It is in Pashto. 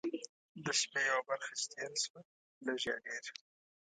د شپې یوه برخه چې تېره شوه لږ یا ډېر.